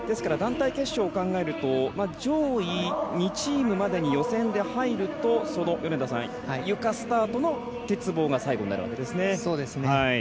ですから団体決勝を考えると上位２チームまでに予選ではいるとゆかスタートの鉄棒が最後になるわけですね。